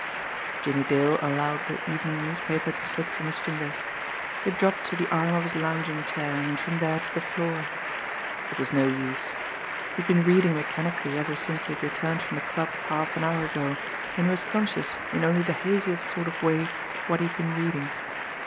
Jimmie Dale allowed the evening newspaper to slip from his fingers. It dropped to the arm of his lounging chair, and from there to the floor. It was no use. He had been reading mechanically ever since he had returned from the club half an hour ago, and he was conscious in only the haziest sort of way of what he had been reading.